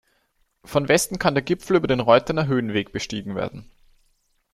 Von Westen kann der Gipfel über den "Reuttener Höhenweg" bestiegen werden.